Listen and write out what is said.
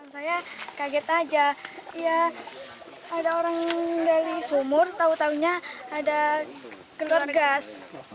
saya kaget aja ya ada orang dari sumur tahu tahunya ada kendor gas